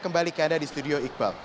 kembali ke anda di studio iqbal